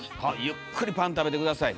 ゆっくりパン食べて下さい。